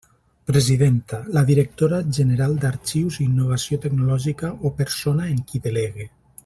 Presidenta: la directora general d'Arxius i Innovació Tecnològica o persona en qui delegue.